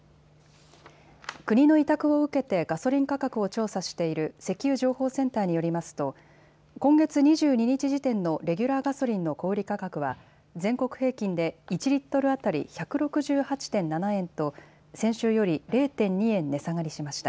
国の委託を受けてガソリン価格を調査している石油情報センターによりますと今月２２日時点のレギュラーガソリンの小売価格は全国平均で１リットル当たり１６８．７円と先週より０．２円値下がりしました。